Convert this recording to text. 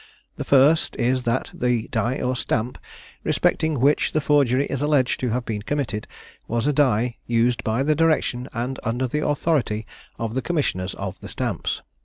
The first is, that the die or stamp, respecting which the forgery is alleged to have been committed, was a die used by the direction and under the authority of the commissioners of the stamps.